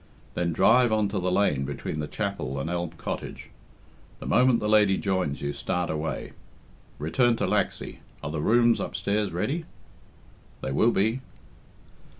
Then drive on to the lane between the chapel and Elm Cottage. The moment the lady joins you, start away. Return to Laxey are the rooms upstairs ready?" "They will be."